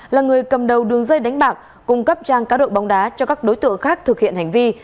là người cầm đầu đường dây đánh bạc cung cấp trang cá đội bóng đá cho các đối tượng khác thực hiện hành vi